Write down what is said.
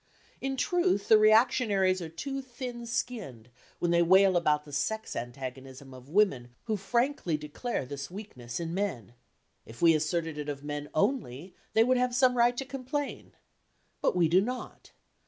In truth, the reactionaries are too thin skinned when they wail about the sex antagonism of women who frankly declare this weakness in men. If we asserted it of men only they would have some right to complain. But we do not.